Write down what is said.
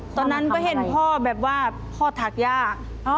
ตอนนั้นก็เห็นพ่อแบบว่าพ่อถักยาก